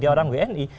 dia orang wni